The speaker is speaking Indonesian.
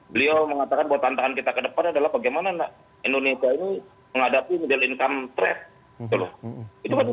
beliau mengatakan bahwa tantangan kita ke depan adalah bagaimana indonesia ini menghadapi middle income trap